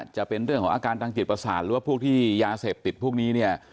จะเป็นเรื่องของอาการทางจิตประสาทหรือว่าพวกที่ยาเสพติดพวกนี้เนี่ย